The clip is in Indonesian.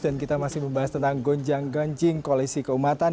dan kita masih membahas tentang gonjang ganjing koalisi keumatan